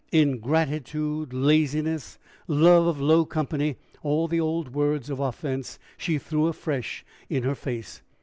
Ingratitude, laziness, love of low company, all the old words of offense she threw afresh in her face.